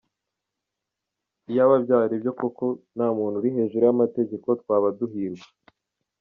Iyaba byari byo koko, nta muntu uri hejuru y’amategeko, twaba duhirwa !